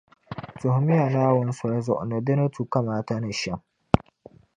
Tuhimi ya Naawuni soli zuɣu ni di ni tu kamaata ni shεm.